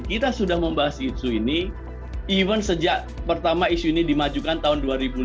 kita sudah membahas isu ini even sejak pertama isu ini dimajukan tahun dua ribu lima belas